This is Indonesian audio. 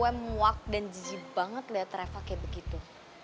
bener gue muak dan jijik banget liat reva kayak begitu